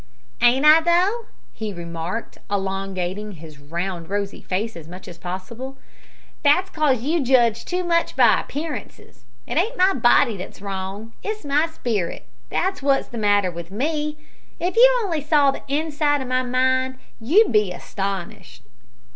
"Ain't I though?" he remarked, elongating his round rosy face as much as possible. "That's 'cause you judge too much by appearances. It ain't my body that's wrong it's my spirit. That's wot's the matter with me. If you only saw the inside o' my mind you'd be astonished."